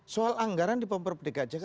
soal anggaran di pemperbedikan jaya